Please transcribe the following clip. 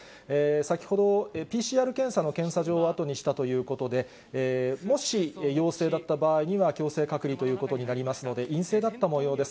先ほどＰＣＲ検査の検査場を後にしたということで、もし陽性だった場合には、強制隔離ということになりますので、陰性だったもようです。